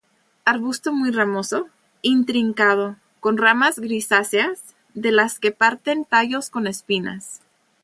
Arbusto muy ramoso, intrincado, con ramas grisáceas, de las que parten tallos con espinas.